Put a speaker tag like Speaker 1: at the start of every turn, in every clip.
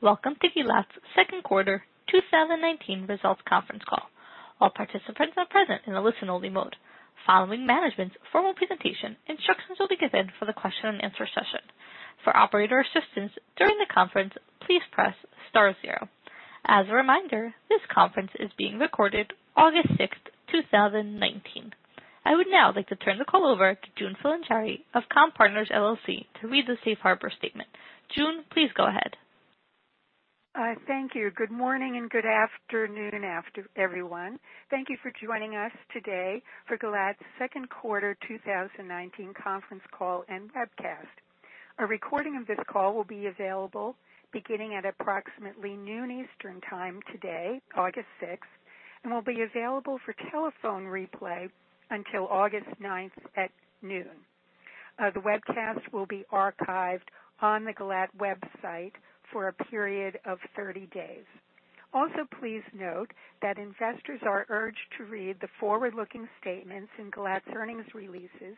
Speaker 1: Welcome to Gilat's second quarter 2019 results conference call. All participants are present in a listen-only mode. Following management's formal presentation, instructions will be given for the question and answer session. For operator assistance during the conference, please press star zero. As a reminder, this conference is being recorded August 6th, 2019. I would now like to turn the call over to June Filingeri of Comm-Partners LLC to read the safe harbor statement. June, please go ahead.
Speaker 2: Thank you. Good morning and good afternoon, everyone. Thank you for joining us today for Gilat's second quarter 2019 conference call and webcast. A recording of this call will be available beginning at approximately noon Eastern Time today, August 6th, and will be available for telephone replay until August 9th at noon. The webcast will be archived on the Gilat website for a period of 30 days. Please note that investors are urged to read the forward-looking statements in Gilat's earnings releases,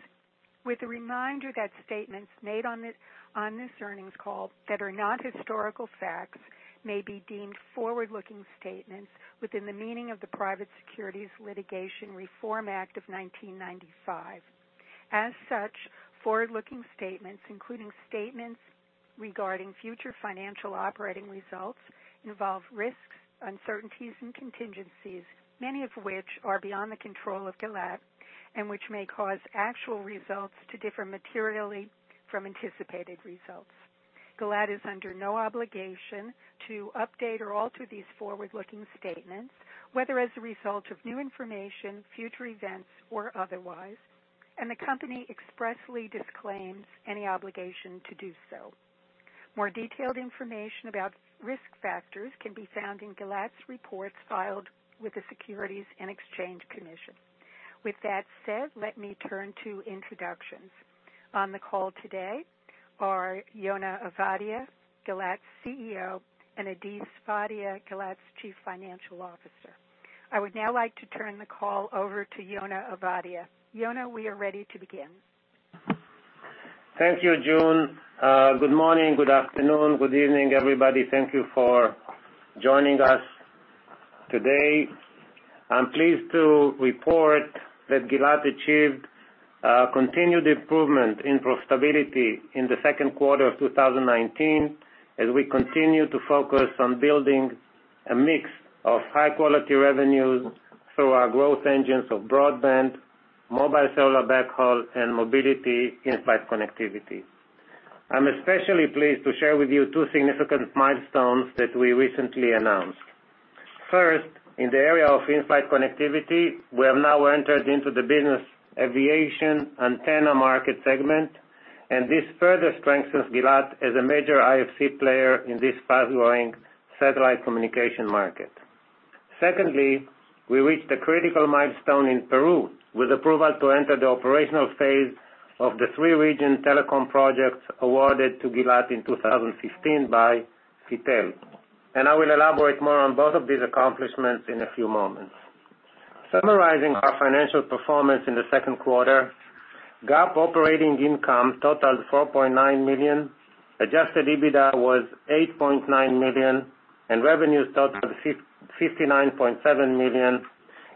Speaker 2: with a reminder that statements made on this earnings call that are not historical facts may be deemed forward-looking statements within the meaning of the Private Securities Litigation Reform Act of 1995. As such, forward-looking statements, including statements regarding future financial operating results, involve risks, uncertainties, and contingencies, many of which are beyond the control of Gilat and which may cause actual results to differ materially from anticipated results. Gilat is under no obligation to update or alter these forward-looking statements, whether as a result of new information, future events, or otherwise, and the company expressly disclaims any obligation to do so. More detailed information about risk factors can be found in Gilat's reports filed with the Securities and Exchange Commission. With that said, let me turn to introductions. On the call today are Yona Ovadia, Gilat's CEO, and Adi Sfadia, Gilat's Chief Financial Officer. I would now like to turn the call over to Yona Ovadia. Yona, we are ready to begin.
Speaker 3: Thank you, June. Good morning, good afternoon, good evening, everybody. Thank you for joining us today. I'm pleased to report that Gilat achieved continued improvement in profitability in the second quarter of 2019, as we continue to focus on building a mix of high-quality revenues through our growth engines of broadband, mobile cellular backhaul, and mobility in-flight connectivity. I'm especially pleased to share with you two significant milestones that we recently announced. First, in the area of in-flight connectivity, we have now entered into the business aviation antenna market segment, and this further strengthens Gilat as a major IFC player in this fast-growing satellite communication market. Secondly, we reached a critical milestone in Peru with approval to enter the operational phase of the three-region telecom projects awarded to Gilat in 2015 by FITEL. I will elaborate more on both of these accomplishments in a few moments. Summarizing our financial performance in the second quarter, GAAP operating income totaled $4.9 million, adjusted EBITDA was $8.9 million, and revenues totaled $59.7 million,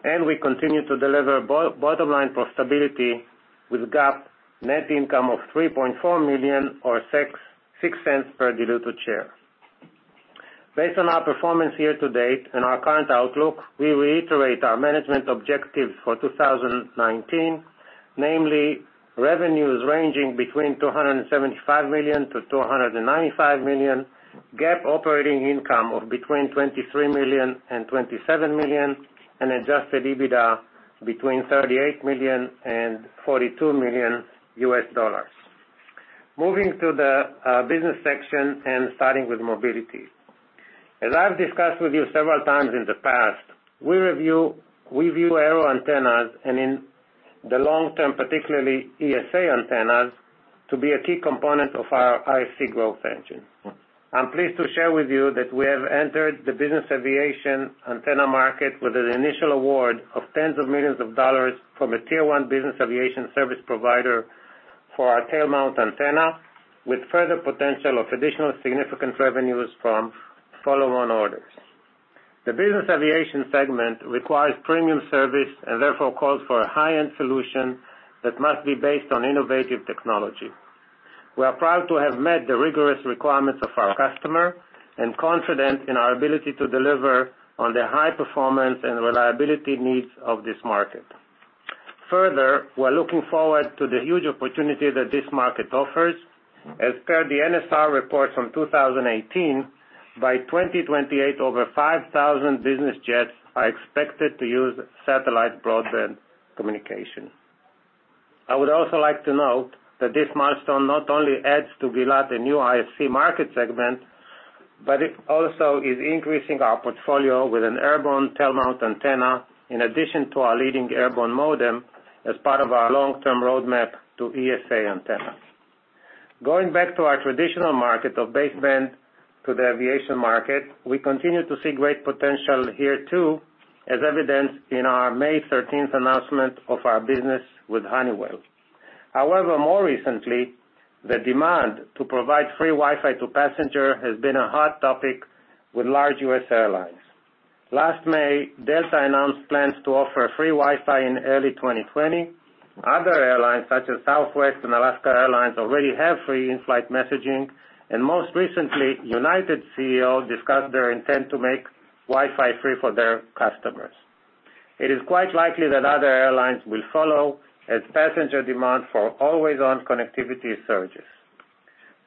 Speaker 3: and we continued to deliver bottom-line profitability with GAAP net income of $3.4 million or $0.06 per diluted share. Based on our performance year to date and our current outlook, we reiterate our management objectives for 2019, namely revenues ranging between $275 million-$295 million, GAAP operating income of between $23 million and $27 million, and adjusted EBITDA between $38 million and $42 million. Moving to the business section and starting with mobility. As I've discussed with you several times in the past, we view aero antennas and in the long term, particularly ESA antennas, to be a key component of our IFC growth engine. I'm pleased to share with you that we have entered the business aviation antenna market with an initial award of tens of millions of dollars from a Tier 1 business aviation service provider for our tail-mount antenna, with further potential of additional significant revenues from follow-on orders. The business aviation segment requires premium service and therefore calls for a high-end solution that must be based on innovative technology. We are proud to have met the rigorous requirements of our customer and confident in our ability to deliver on the high performance and reliability needs of this market. Further, we're looking forward to the huge opportunity that this market offers. As per the NSR report from 2018, by 2028, over 5,000 business jets are expected to use satellite broadband communication. I would also like to note that this milestone not only adds to Gilat a new IFC market segment, but it also is increasing our portfolio with an airborne tail-mount antenna in addition to our leading airborne modem as part of our long-term roadmap to ESA antenna. Going back to our traditional market of baseband to the aviation market, we continue to see great potential here too as evidenced in our May 13th announcement of our business with Honeywell. However, more recently, the demand to provide free Wi-Fi to passengers has been a hot topic with large U.S. airlines. Last May, Delta announced plans to offer free Wi-Fi in early 2020. Other airlines, such as Southwest and Alaska Airlines, already have free in-flight messaging, and most recently, United's CEO discussed their intent to make Wi-Fi free for their customers. It is quite likely that other airlines will follow as passenger demand for always-on connectivity surges.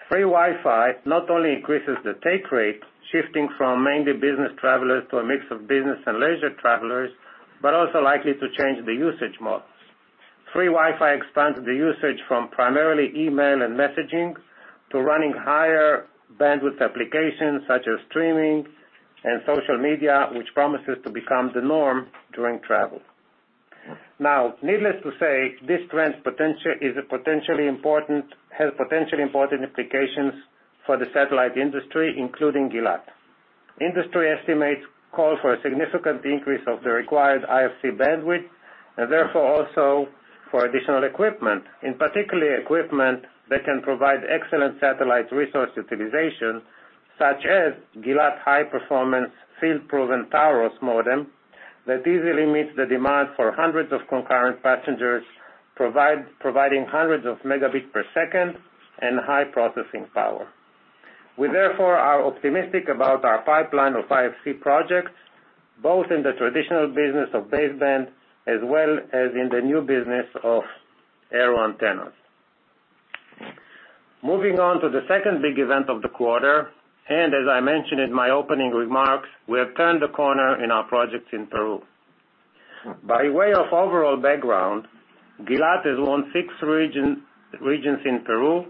Speaker 3: Free Wi-Fi not only increases the take rate, shifting from mainly business travelers to a mix of business and leisure travelers, but also likely to change the usage models. Free Wi-Fi expands the usage from primarily email and messaging to running higher bandwidth applications such as streaming and social media, which promises to become the norm during travel. Needless to say, this trend has potentially important implications for the satellite industry, including Gilat. Industry estimates call for a significant increase of the required IFC bandwidth and therefore also for additional equipment, and particularly equipment that can provide excellent satellite resource utilization, such as Gilat's high-performance field-proven Taurus modem that easily meets the demand for hundreds of concurrent passengers, providing hundreds of megabits per second and high processing power. We therefore are optimistic about our pipeline of IFC projects, both in the traditional business of baseband as well as in the new business of aero antennas. Moving on to the second big event of the quarter, as I mentioned in my opening remarks, we have turned a corner in our projects in Peru. By way of overall background, Gilat has won six regions in Peru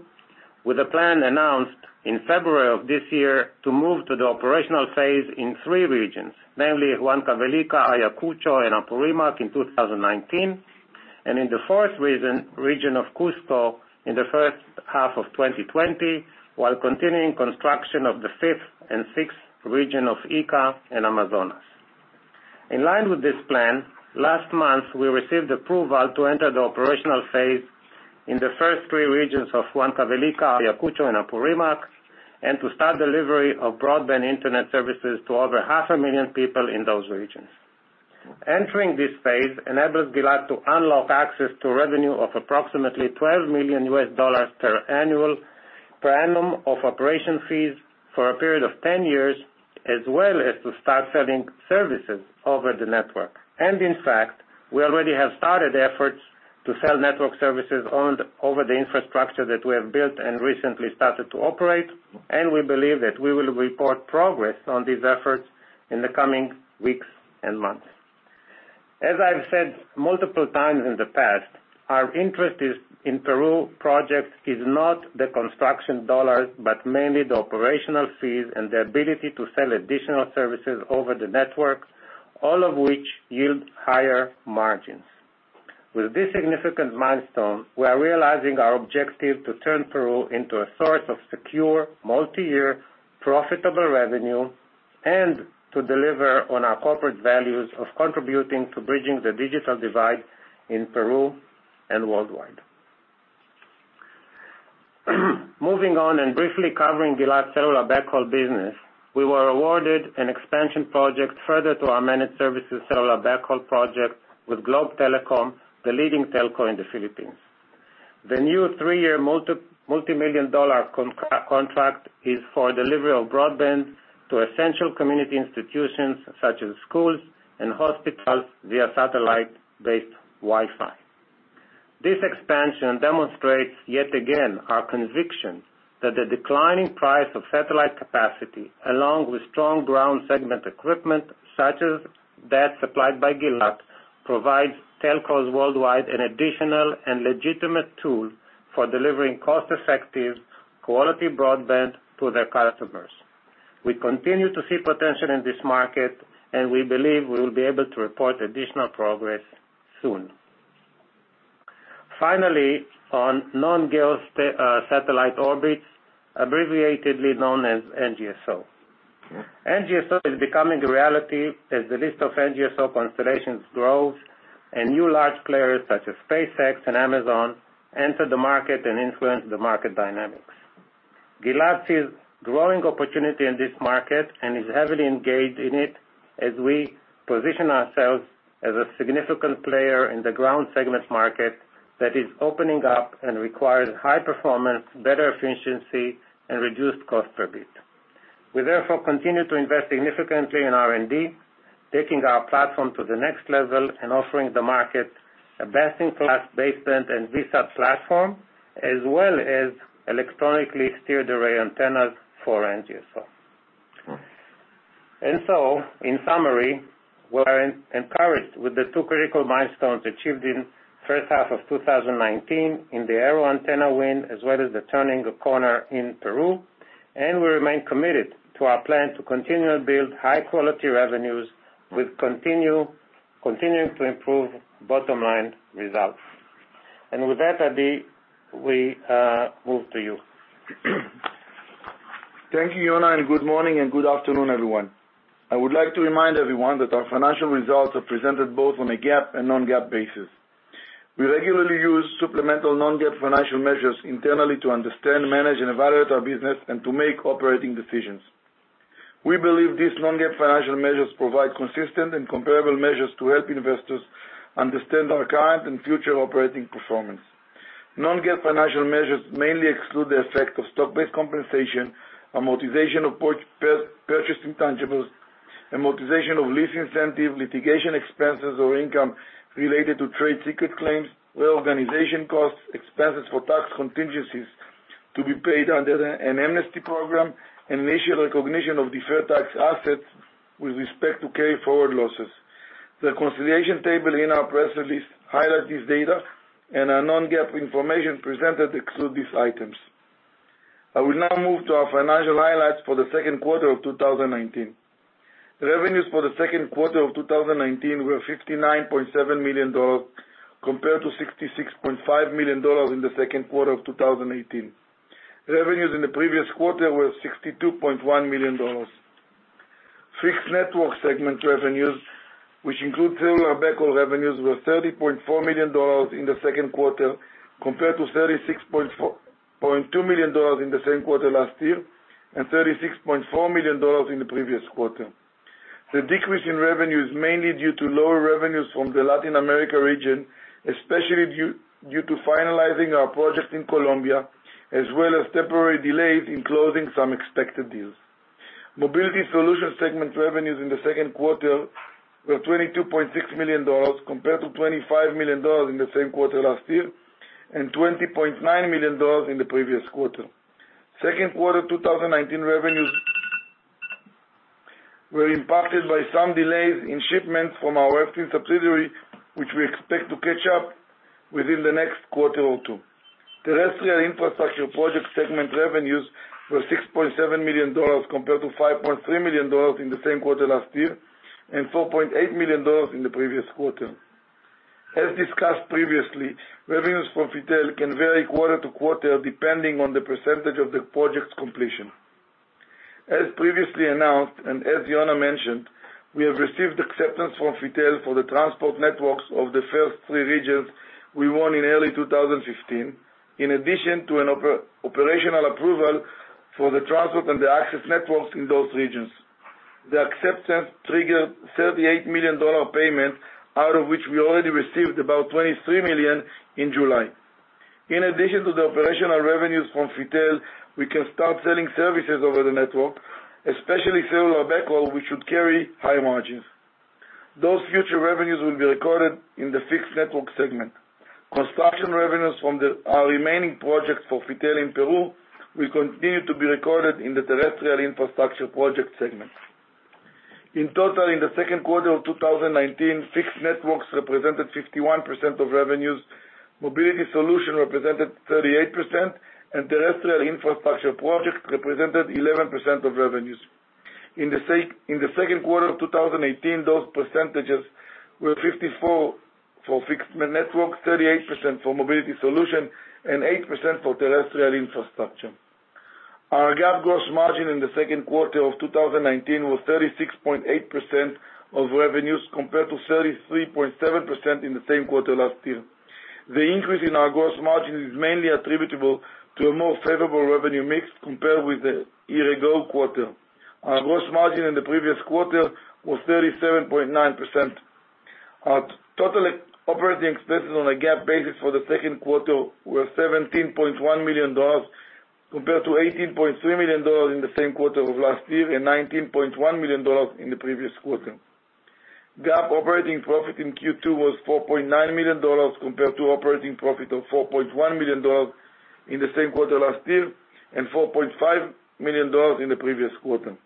Speaker 3: with a plan announced in February of this year to move to the operational phase in three regions, namely Huancavelica, Ayacucho, and Apurímac in 2019. In the fourth region of Cusco in the first half of 2020, while continuing construction of the fifth and sixth region of Ica and Amazonas. In line with this plan, last month, we received approval to enter the operational phase in the first three regions of Huancavelica, Ayacucho, and Apurímac, and to start delivery of broadband internet services to over half a million people in those regions. Entering this phase enables Gilat to unlock access to revenue of approximately $12 million per annum of operation fees for a period of 10 years, as well as to start selling services over the network. In fact, we already have started efforts to sell network services over the infrastructure that we have built and recently started to operate, and we believe that we will report progress on these efforts in the coming weeks and months. As I've said multiple times in the past, our interest in Peru projects is not the construction dollars, but mainly the operational fees and the ability to sell additional services over the network, all of which yield higher margins. With this significant milestone, we are realizing our objective to turn Peru into a source of secure, multi-year, profitable revenue and to deliver on our corporate values of contributing to bridging the digital divide in Peru and worldwide. Moving on and briefly covering Gilat's cellular backhaul business, we were awarded an expansion project further to our managed services cellular backhaul project with Globe Telecom, the leading telco in the Philippines. The new three-year, multimillion-dollar contract is for delivery of broadband to essential community institutions such as schools and hospitals via satellite-based Wi-Fi. This expansion demonstrates yet again our conviction that the declining price of satellite capacity, along with strong ground segment equipment such as that supplied by Gilat, provides telcos worldwide an additional and legitimate tool for delivering cost-effective, quality broadband to their customers. We continue to see potential in this market, and we believe we will be able to report additional progress soon. Finally, on non-geosynchronous satellite orbits, abbreviated as NGSO. NGSO is becoming a reality as the list of NGSO constellations grows and new large players such as SpaceX and Amazon enter the market and influence the market dynamics. Gilat sees growing opportunity in this market and is heavily engaged in it as we position ourselves as a significant player in the ground segment market that is opening up and requires high performance, better efficiency, and reduced cost per bit. We therefore continue to invest significantly in R&D, taking our platform to the next level and offering the market a best-in-class baseband and VSAT platform, as well as electronically steered array antennas for NGSO. In summary, we are encouraged with the two critical milestones achieved in the first half of 2019 in the aero antenna win, as well as the turning corner in Peru. We remain committed to our plan to continue to build high-quality revenues with continuing to improve bottom-line results. With that, Adi, we move to you.
Speaker 4: Thank you, Yona. Good morning, and good afternoon, everyone. I would like to remind everyone that our financial results are presented both on a GAAP and non-GAAP basis. We regularly use supplemental non-GAAP financial measures internally to understand, manage, and evaluate our business and to make operating decisions. We believe these non-GAAP financial measures provide consistent and comparable measures to help investors understand our current and future operating performance. Non-GAAP financial measures mainly exclude the effect of stock-based compensation, amortization of purchased intangibles, amortization of lease incentive, litigation expenses or income related to trade secret claims, reorganization costs, expenses for tax contingencies to be paid under an amnesty program, and initial recognition of deferred tax assets with respect to carryforward losses. The consideration table in our press release highlights this data. Our non-GAAP information presented excludes these items. I will now move to our financial highlights for the second quarter of 2019. Revenues for the second quarter of 2019 were $59.7 million, compared to $66.5 million in the second quarter of 2018. Revenues in the previous quarter were $62.1 million. Fixed Network Segment revenues, which include cellular backhaul revenues, were $30.4 million in the second quarter, compared to $36.2 million in the same quarter last year, and $36.4 million in the previous quarter. The decrease in revenue is mainly due to lower revenues from the Latin America region, especially due to finalizing our project in Colombia, as well as temporary delays in closing some expected deals. Mobility Solution Segment revenues in the second quarter were $22.6 million, compared to $25 million in the same quarter last year, and $20.9 million in the previous quarter. Second quarter 2019 revenues were impacted by some delays in shipments from our FITEL subsidiary, which we expect to catch up within the next quarter or two. Terrestrial Infrastructure Project Segment revenues were $6.7 million, compared to $5.3 million in the same quarter last year, and $4.8 million in the previous quarter. As discussed previously, revenues from FITEL can vary quarter to quarter, depending on the percentage of the project's completion. As previously announced, as Yona mentioned, we have received acceptance from FITEL for the transport networks of the first three regions we won in early 2015, in addition to an operational approval for the transport and the access networks in those regions. The acceptance triggered a $38 million payment, out of which we already received about $23 million in July. In addition to the operational revenues from FITEL, we can start selling services over the network, especially cellular backhaul, which should carry high margins. Those future revenues will be recorded in the fixed network segment. Construction revenues from our remaining projects for FITEL in Peru will continue to be recorded in the terrestrial infrastructure project segment. In total, in the second quarter of 2019, fixed networks represented 51% of revenues, mobility solution represented 38%, and terrestrial infrastructure projects represented 11% of revenues. In the second quarter of 2018, those percentages were 54% for fixed networks, 38% for mobility solution, and 8% for terrestrial infrastructure. Our GAAP gross margin in the second quarter of 2019 was 36.8% of revenues, compared to 33.7% in the same quarter last year. The increase in our gross margin is mainly attributable to a more favorable revenue mix compared with the year-ago quarter. Our gross margin in the previous quarter was 37.9%. Our total operating expenses on a GAAP basis for the second quarter were $17.1 million, compared to $18.3 million in the same quarter of last year, and $19.1 million in the previous quarter. GAAP operating profit in Q2 was $4.9 million, compared to operating profit of $4.1 million in the same quarter last year, and $4.5 million in the previous quarter.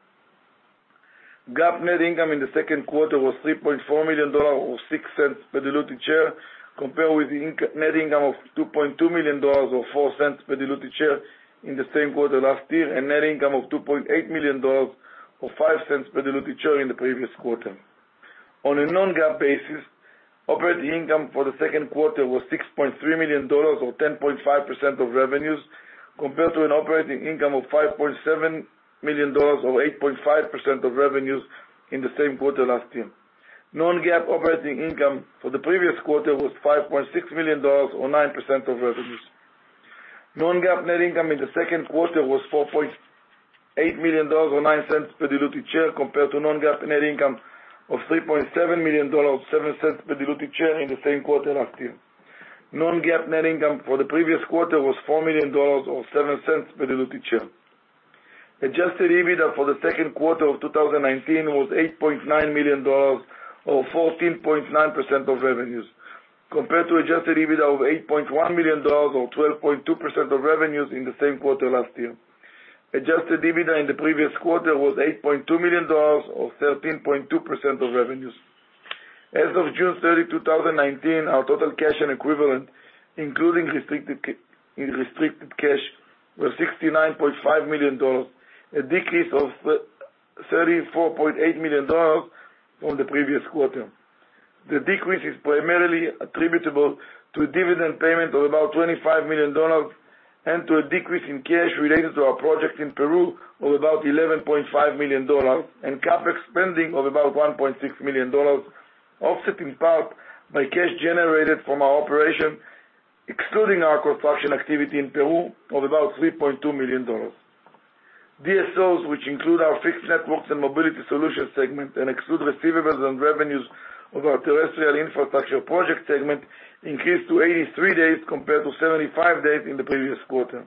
Speaker 4: GAAP net income in the second quarter was $3.4 million, or $0.06 per diluted share, compared with net income of $2.2 million, or $0.04 per diluted share in the same quarter last year, and net income of $2.8 million, or $0.05 per diluted share in the previous quarter. On a non-GAAP basis, operating income for the second quarter was $6.3 million, or 10.5% of revenues, compared to an operating income of $5.7 million, or 8.5% of revenues in the same quarter last year. Non-GAAP operating income for the previous quarter was $5.6 million, or 9% of revenues. Non-GAAP net income in the second quarter was $4.8 million, or $0.09 per diluted share, compared to non-GAAP net income of $3.7 million, or $0.07 per diluted share in the same quarter last year. Non-GAAP net income for the previous quarter was $4 million or $0.07 per diluted share. Adjusted EBITDA for the second quarter of 2019 was $8.9 million, or 14.9% of revenues, compared to adjusted EBITDA of $8.1 million or 12.2% of revenues in the same quarter last year. Adjusted EBITDA in the previous quarter was $8.2 million, or 13.2% of revenues. As of June 3rd, 2019, our total cash and equivalent, including restricted cash, was $69.5 million, a decrease of $34.8 million from the previous quarter. The decrease is primarily attributable to a dividend payment of about $25 million and to a decrease in cash related to our project in Peru of about $11.5 million, and CapEx spending of about $1.6 million, offset in part by cash generated from our operation, excluding our construction activity in Peru, of about $3.2 million. DSO, which include our fixed networks and mobility solutions segment and exclude receivables and revenues of our terrestrial infrastructure project segment, increased to 83 days compared to 75 days in the previous quarter.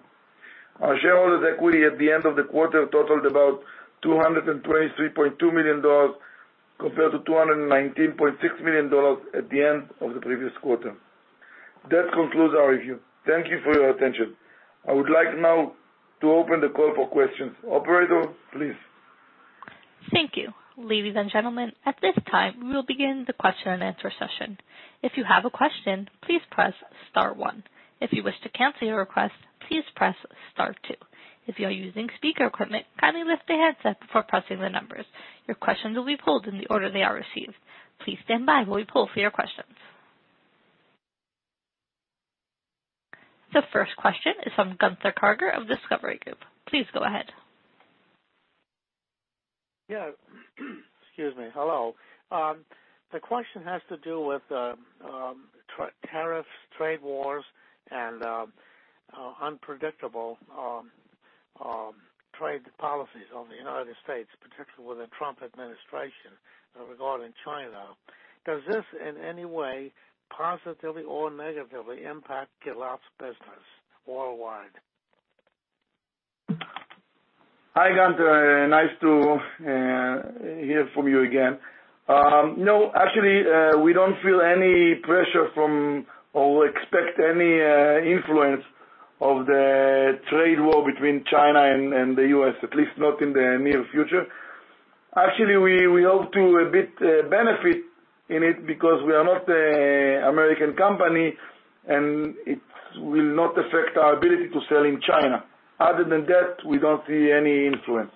Speaker 4: Our shareholders' equity at the end of the quarter totaled about $223.2 million, compared to $219.6 million at the end of the previous quarter. That concludes our review. Thank you for your attention. I would like now to open the call for questions. Operator, please.
Speaker 1: Thank you. Ladies and gentlemen, at this time, we will begin the question-and-answer session. If you have a question, please press star one. If you wish to cancel your request, please press star two. If you are using speaker equipment, kindly lift the headset before pressing the numbers. Your questions will be pulled in the order they are received. Please stand by while we pull for your questions. The first question is from Gunther Karger of Discovery Group. Please go ahead.
Speaker 5: Yeah. Excuse me. Hello. The question has to do with tariffs, trade wars, and unpredictable trade policies of the U.S., particularly with the Trump administration regarding China. Does this, in any way, positively or negatively impact Gilat's business worldwide?
Speaker 4: Hi, Gunther. Nice to hear from you again. No, actually, we don't feel any pressure from or expect any influence of the trade war between China and the U.S., at least not in the near future. Actually, we hope to a bit benefit in it because we are not an American company, and it will not affect our ability to sell in China. Other than that, we don't see any influence.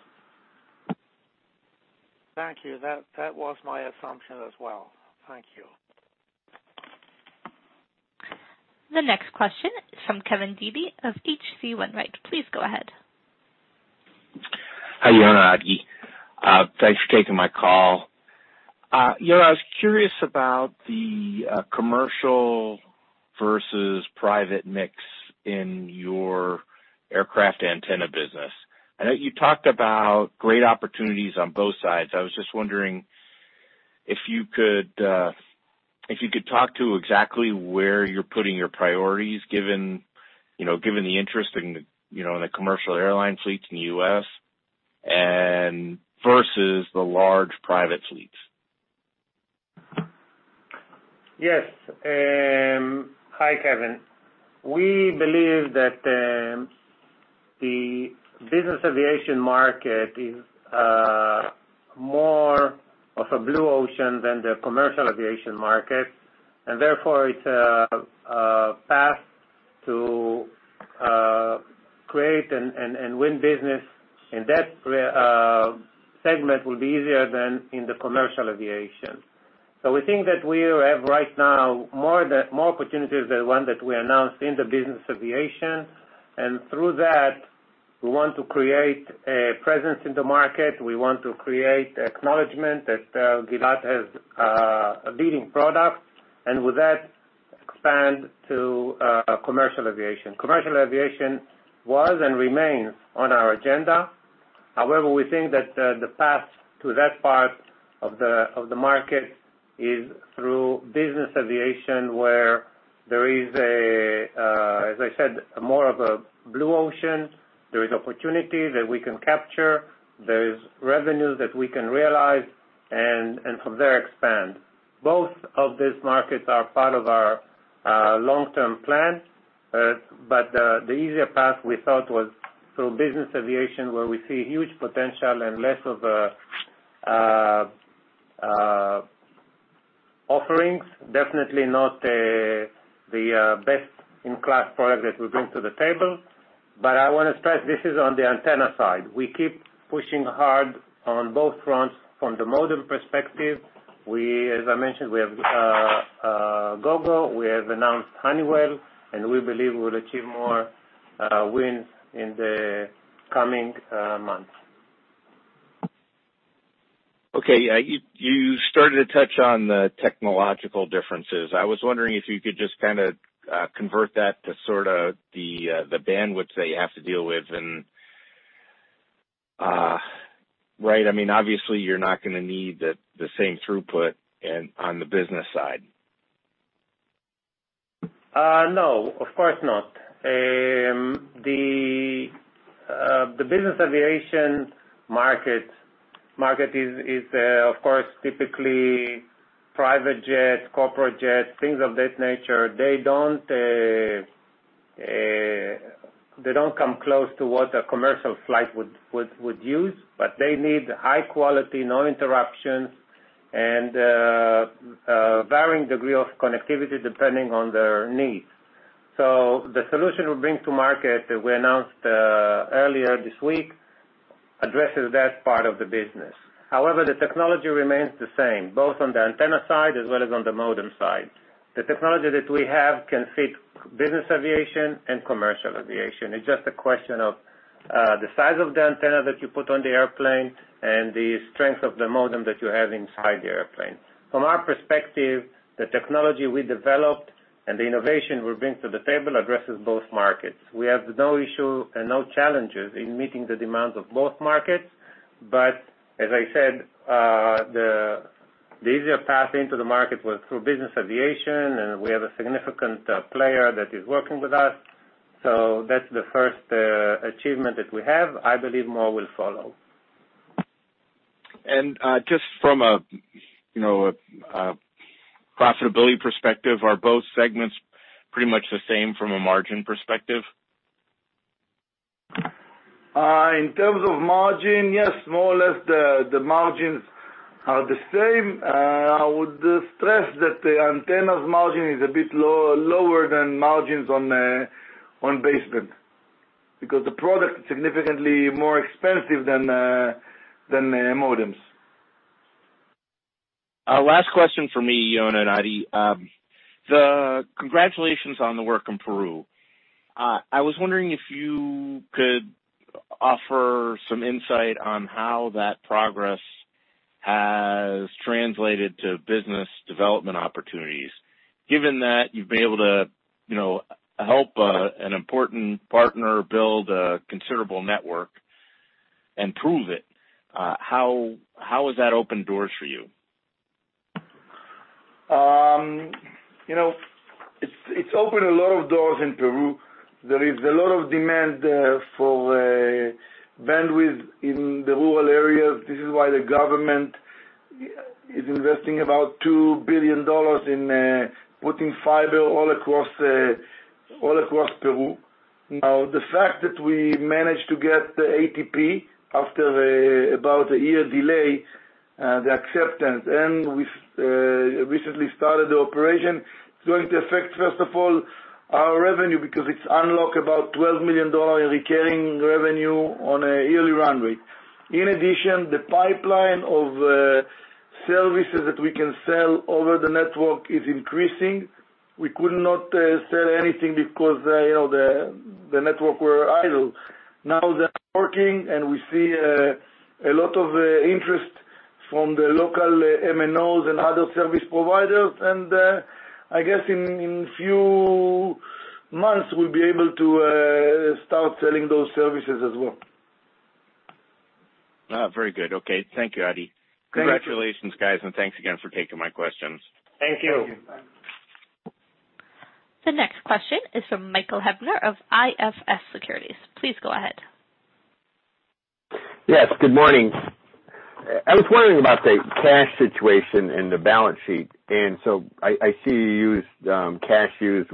Speaker 5: Thank you. That was my assumption as well. Thank you.
Speaker 1: The next question is from Kevin Dede of H.C. Wainwright. Please go ahead.
Speaker 6: Hi, Yona and Adi. Thanks for taking my call. I was curious about the commercial versus private mix in your aircraft antenna business. I know you talked about great opportunities on both sides. I was just wondering if you could talk to exactly where you're putting your priorities, given the interest in the commercial airline fleets in the U.S. versus the large private fleets.
Speaker 3: Hi, Kevin. We believe that the business aviation market is more of a blue ocean than the commercial aviation market. Therefore, it's a path to create and win business. That segment will be easier than in the commercial aviation. We think that we have right now more opportunities than one that we announced in the business aviation. Through that, we want to create a presence in the market. We want to create acknowledgment that Gilat has a leading product. With that, expand to commercial aviation. Commercial aviation was and remains on our agenda. However, we think that the path to that part of the market is through business aviation, where there is a, as I said, more of a blue ocean. There is opportunity that we can capture. There is revenue that we can realize. From there, expand. Both of these markets are part of our long-term plan, the easier path we thought was through Business Aviation, where we see huge potential and less of offerings. Definitely not the best-in-class product that we bring to the table. I want to stress, this is on the antenna side. We keep pushing hard on both fronts from the modem perspective. As I mentioned, we have Gogo, we have announced Honeywell, and we believe we'll achieve more wins in the coming months.
Speaker 6: Okay. You started to touch on the technological differences. I was wondering if you could just convert that to the bandwidth that you have to deal with, and Right. Obviously, you're not going to need the same throughput on the business side.
Speaker 3: No, of course not. The business aviation market is, of course, typically private jets, corporate jets, things of that nature. They don't come close to what a commercial flight would use, but they need high quality, no interruptions, and varying degree of connectivity depending on their needs. The solution we bring to market, we announced earlier this week, addresses that part of the business. The technology remains the same, both on the antenna side as well as on the modem side. The technology that we have can fit business aviation and commercial aviation. It's just a question of the size of the antenna that you put on the airplane and the strength of the modem that you have inside the airplane. From our perspective, the technology we developed and the innovation we're bringing to the table addresses both markets. We have no issue and no challenges in meeting the demands of both markets, but as I said, the easier path into the market was through business aviation, and we have a significant player that is working with us. That's the first achievement that we have. I believe more will follow.
Speaker 6: Just from a profitability perspective, are both segments pretty much the same from a margin perspective?
Speaker 3: In terms of margin, yes, more or less the margins are the same. I would stress that the antenna's margin is a bit lower than margins on baseband, because the product is significantly more expensive than the modems.
Speaker 6: Last question from me, Yona and Adi. Congratulations on the work in Peru. I was wondering if you could offer some insight on how that progress has translated to business development opportunities, given that you've been able to help an important partner build a considerable network and prove it. How has that opened doors for you?
Speaker 4: It's opened a lot of doors in Peru. There is a lot of demand there for bandwidth in the rural areas. This is why the government is investing about $2 billion in putting fiber all across Peru. Now, the fact that we managed to get the ATP after about a year delay, the acceptance, and we've recently started the operation, it's going to affect, first of all, our revenue, because it's unlock about $12 million in recurring revenue on a yearly run rate. In addition, the pipeline of services that we can sell over the network is increasing. We could not sell anything because the network were idle. Now they're working, and we see a lot of interest from the local MNOs and other service providers, and I guess in few months, we'll be able to start selling those services as well.
Speaker 6: Very good. Okay. Thank you, Adi.
Speaker 4: Thank you.
Speaker 6: Congratulations, guys, and thanks again for taking my questions. Thank you.
Speaker 1: Thank you. Bye. The next question is from Michael Hebner of IFS Securities. Please go ahead.
Speaker 7: Yes, good morning. I was wondering about the cash situation and the balance sheet. I see you used, cash used,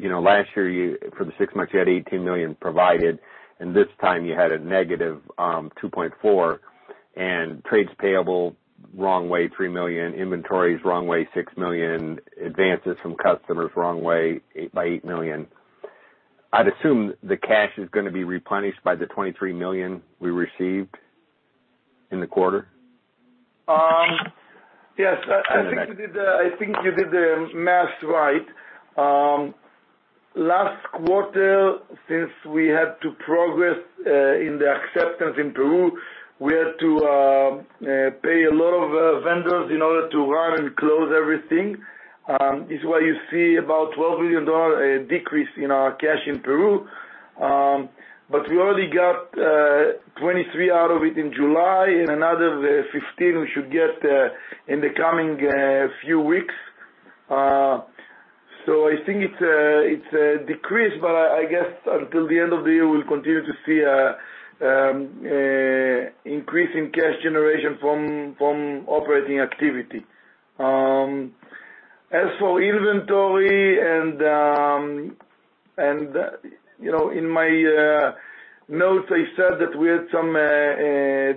Speaker 7: last year you, for the six months, you had $18 million provided, and this time you had a negative $2.4 million, and trades payable, wrong way, $3 million, inventories, wrong way, $6 million, advances from customers, wrong way, by $8 million. I'd assume the cash is going to be replenished by the $23 million we received in the quarter.
Speaker 4: Yes. I think you did the math right. Last quarter, since we had to progress in the acceptance in Peru, we had to pay a lot of vendors in order to run and close everything. This is why you see about $12 million decrease in our cash in Peru. We already got 23 out of it in July and another 15 we should get in the coming few weeks. I think it's a decrease, but I guess until the end of the year, we'll continue to see an increase in cash generation from operating activity. As for inventory and, in my notes, I said that we had some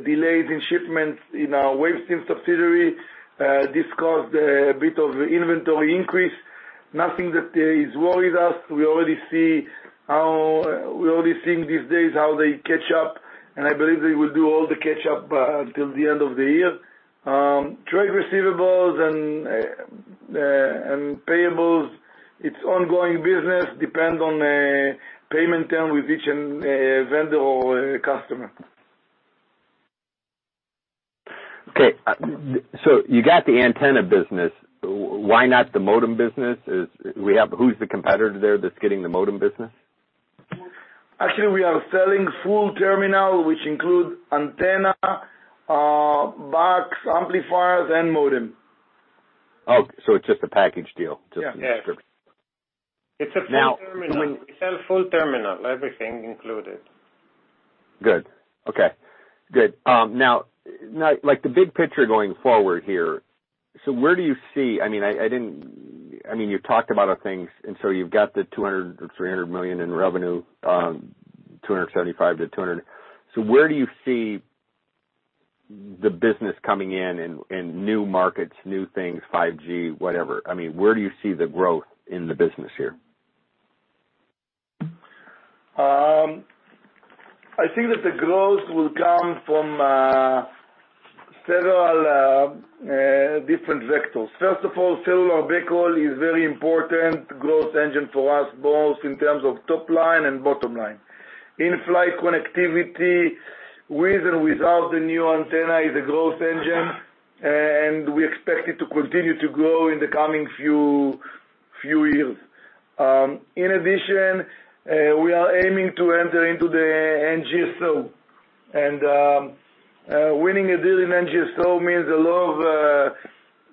Speaker 4: delays in shipments in our Wavestream subsidiary. This caused a bit of inventory increase. Nothing that worries us. We're already seeing these days how they catch up, and I believe they will do all the catch up until the end of the year. Trade receivables and payables, it's ongoing business, depend on payment term with each vendor or customer.
Speaker 7: Okay. You got the antenna business. Why not the modem business? Who's the competitor there that's getting the modem business?
Speaker 3: Actually, we are selling full terminal, which include antenna, box amplifiers, and modem.
Speaker 7: Okay, it's just a package deal. Just a description.
Speaker 3: Yeah. It's a full terminal.
Speaker 7: Now-
Speaker 3: We sell full terminal, everything included.
Speaker 7: Good. Okay, good. Now, like the big picture going forward here, where do you see You've talked about other things, you've got the $200 million or $300 million in revenue, $275 million to $200 million. Where do you see the business coming in new markets, new things, 5G, whatever? Where do you see the growth in the business here?
Speaker 4: I think that the growth will come from several different vectors. First of all, cellular backhaul is very important growth engine for us, both in terms of top line and bottom line. In-flight connectivity, with or without the new antenna, is a growth engine, and we expect it to continue to grow in the coming few years. In addition, we are aiming to enter into the NGSO, and winning a deal in NGSO means a lot of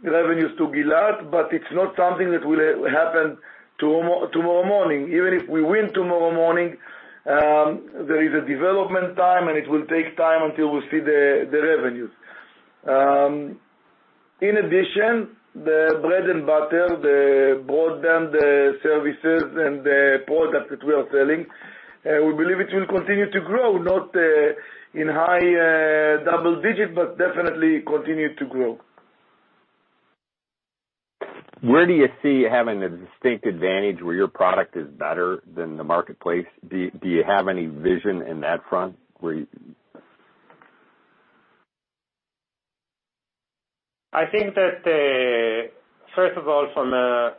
Speaker 4: revenues to Gilat, but it's not something that will happen tomorrow morning. Even if we win tomorrow morning, there is a development time, and it will take time until we see the revenues. In addition, the bread and butter, the broadband services and the product that we are selling, we believe it will continue to grow, not in high double digits, but definitely continue to grow.
Speaker 7: Where do you see having a distinct advantage where your product is better than the marketplace? Do you have any vision in that front?
Speaker 3: I think that, first of all, from an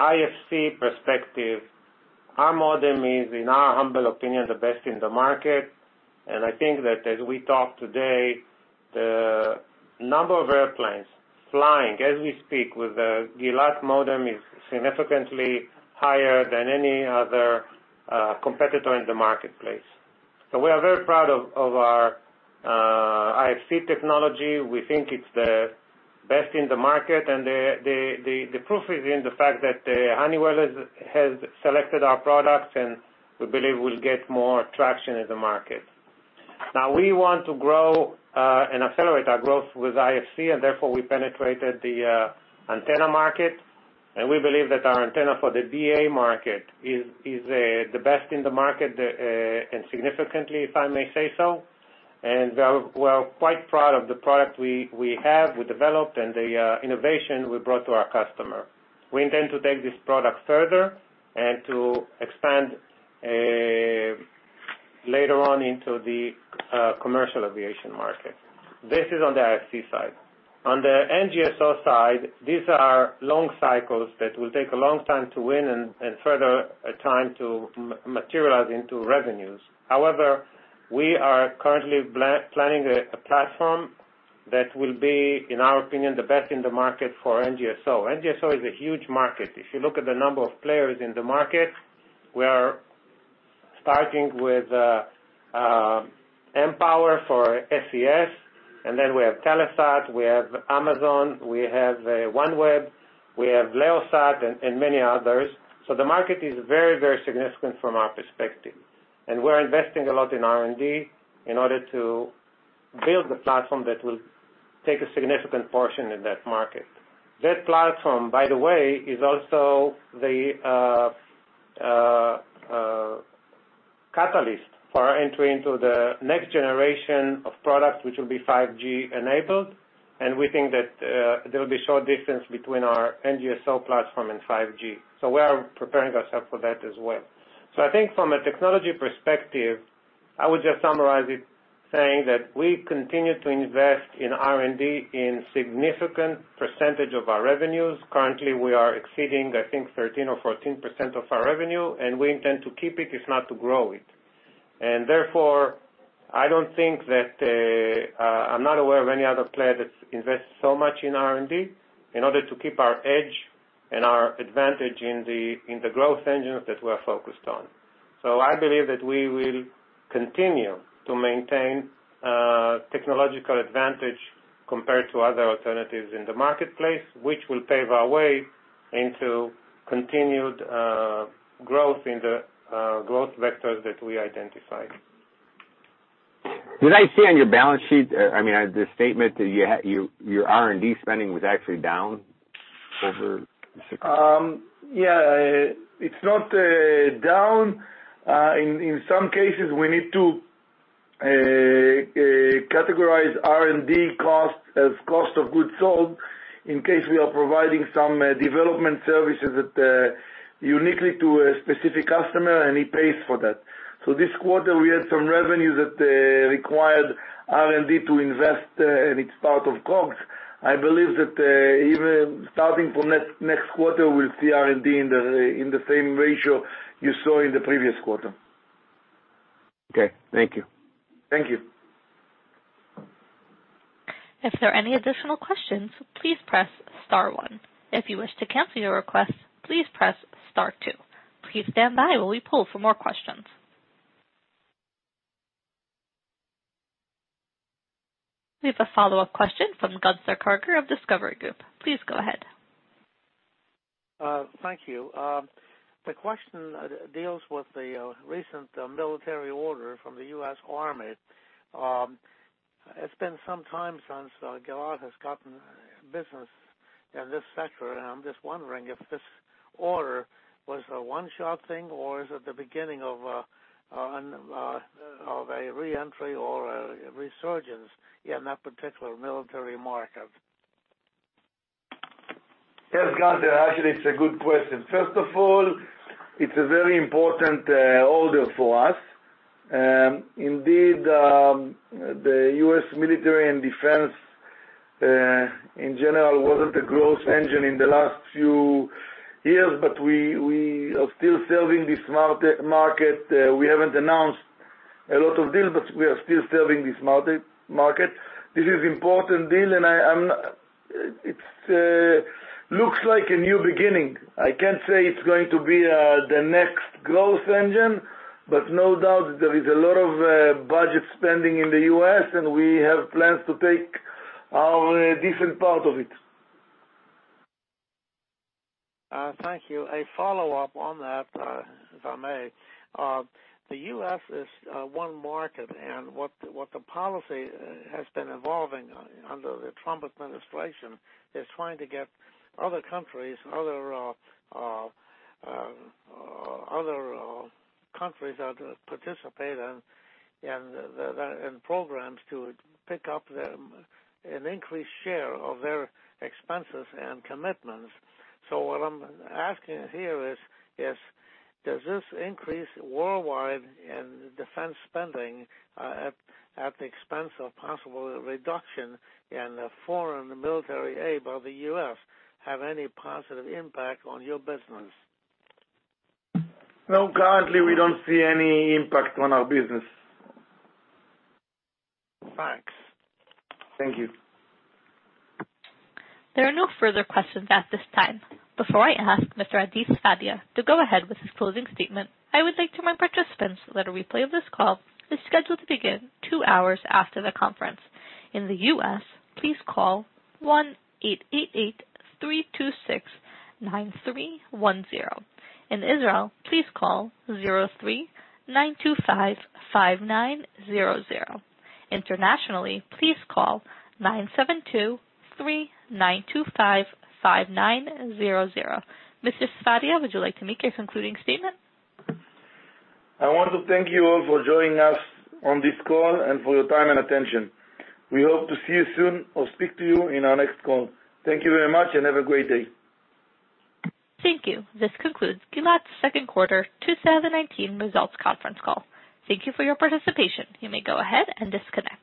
Speaker 3: IFC perspective, our modem is, in our humble opinion, the best in the market. I think that as we talk today, the number of airplanes flying as we speak with a Gilat modem is significantly higher than any other competitor in the marketplace. We are very proud of our IFC technology. We think it's the best in the market, and the proof is in the fact that Honeywell has selected our product, and we believe we'll get more traction in the market. We want to grow and accelerate our growth with IFC, and therefore, we penetrated the antenna market, and we believe that our antenna for the BA market is the best in the market, and significantly, if I may say so. We are quite proud of the product we have, we developed, and the innovation we brought to our customer. We intend to take this product further and to expand later on into the commercial aviation market. This is on the IFC side. On the NGSO side, these are long cycles that will take a long time to win and further time to materialize into revenues. However, we are currently planning a platform that will be, in our opinion, the best in the market for NGSO. NGSO is a huge market. If you look at the number of players in the market, we are starting with mPOWER for SES, and then we have Telesat, we have Amazon, we have OneWeb, we have LeoSat and many others. The market is very, very significant from our perspective. We're investing a lot in R&D in order to build the platform that will take a significant portion in that market. That platform, by the way, is also the catalyst for our entry into the next generation of products, which will be 5G enabled. We think that there will be short distance between our NGSO platform and 5G. We are preparing ourselves for that as well. I think from a technology perspective, I would just summarize it saying that we continue to invest in R&D in significant percentage of our revenues. Currently, we are exceeding, I think, 13% or 14% of our revenue, and we intend to keep it, if not to grow it. Therefore, I'm not aware of any other player that invests so much in R&D in order to keep our edge and our advantage in the growth engines that we're focused on. I believe that we will continue to maintain technological advantage compared to other alternatives in the marketplace, which will pave our way into continued growth in the growth vectors that we identified.
Speaker 7: Did I see on your balance sheet, the statement that your R&D spending was actually down over six-?
Speaker 4: It's not down. In some cases, we need to categorize R&D cost as cost of goods sold in case we are providing some development services uniquely to a specific customer, and he pays for that. This quarter, we had some revenue that required R&D to invest, and it's part of COGS. I believe that even starting from next quarter, we'll see R&D in the same ratio you saw in the previous quarter.
Speaker 7: Okay. Thank you.
Speaker 4: Thank you.
Speaker 1: If there are any additional questions, please press star one. If you wish to cancel your request, please press star two. Please stand by while we poll for more questions. We have a follow-up question from Gunther Karger of Discovery Group. Please go ahead.
Speaker 5: Thank you. The question deals with the recent military order from the U.S. Army. It's been some time since Gilat has gotten business in this sector, and I'm just wondering if this order was a one-shot thing, or is it the beginning of a re-entry or a resurgence in that particular military market?
Speaker 4: Yes, Gunther, actually it's a good question. First of all, it's a very important order for us. Indeed, the U.S. military and defense, in general, wasn't a growth engine in the last few years, but we are still serving this market. We haven't announced a lot of deals, but we are still serving this market. This is important deal, and it looks like a new beginning. I can't say it's going to be the next growth engine, but no doubt there is a lot of budget spending in the U.S., and we have plans to take our decent part of it.
Speaker 5: Thank you. A follow-up on that, if I may. The U.S. is one market, and what the policy has been evolving under the Trump administration is trying to get other countries that participate in programs to pick up an increased share of their expenses and commitments. What I'm asking here is, does this increase worldwide in defense spending at the expense of possible reduction in foreign military aid by the U.S. have any positive impact on your business?
Speaker 4: No, Gunther, we don't see any impact on our business.
Speaker 5: Thanks.
Speaker 4: Thank you.
Speaker 1: There are no further questions at this time. Before I ask Mr. Adi Sfadia to go ahead with his closing statement, I would like to remind participants that a replay of this call is scheduled to begin two hours after the conference. In the U.S., please call 1-888-326-9310. In Israel, please call 03-925-5900. Internationally, please call 972-3-925-5900. Mr. Sfadia, would you like to make your concluding statement?
Speaker 4: I want to thank you all for joining us on this call and for your time and attention. We hope to see you soon or speak to you in our next call. Thank you very much and have a great day.
Speaker 1: Thank you. This concludes Gilat's second quarter 2019 results conference call. Thank you for your participation. You may go ahead and disconnect.